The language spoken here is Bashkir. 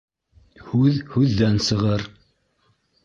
Һүҙ һүҙҙән сығыр